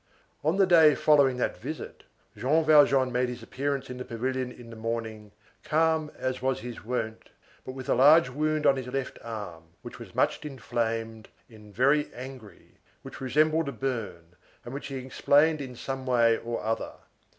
On the day following that visit, Jean Valjean made his appearance in the pavilion in the morning, calm as was his wont, but with a large wound on his left arm which was much inflamed, and very angry, which resembled a burn, and which he explained in some way or other.